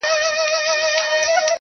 o په دولت او مال یې ډېر وو نازولی,